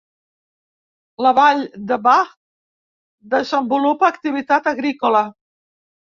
La vall de Váh desenvolupa activitat agrícola.